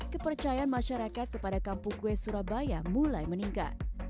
kepercayaan masyarakat kepada kampung kue surabaya mulai meningkat